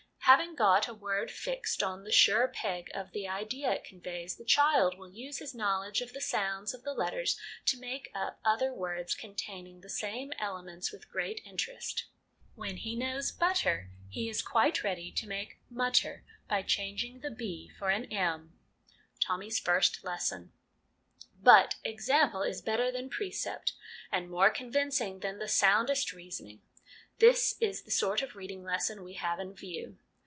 Having got a word fixed on the sure peg of the idea it conveys, the child will use his knowledge of the sounds of the letters to make up other words contain ing the same elements with great interest. When he knows ' butter ' he is quite ready to make ' mutter ' by changing the b for an m. LESSONS AS INSTRUMENTS OF EDUCATION 2 1/ Tommy's First Lesson. But example is better than precept, and more convincing than the soundest reasoning. This is the sort of reading lesson we have in view.